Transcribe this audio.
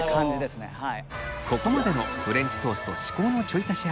ここまでのフレンチトースト至高のちょい足し